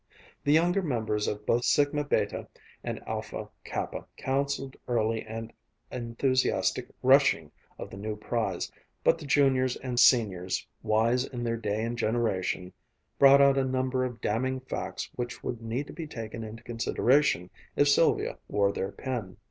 The younger members of both Sigma Beta and Alpha Kappa counseled early and enthusiastic "rushing" of the new prize, but the Juniors and Seniors, wise in their day and generation, brought out a number of damning facts which would need to be taken into consideration if Sylvia wore their pin.